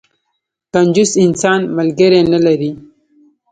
کنجوس انسان، ملګری نه لري.